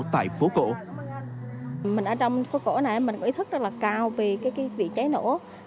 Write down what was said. tại phố cổ